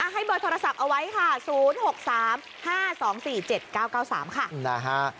ให้เบอร์โทรศัพท์เอาไว้ค่ะ๐๖๓๕๒๔๗๙๙๓ค่ะนะฮะ